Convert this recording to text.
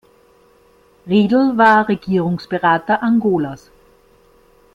Riedl war Regierungsberater Angolas.